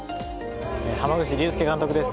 濱口竜介監督です。